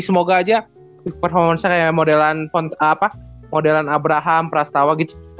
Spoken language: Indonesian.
semoga aja peak performance kayak modelan abraham prastawa gitu